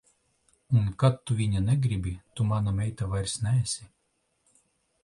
Un kad tu viņa negribi, tu mana meita vairs neesi.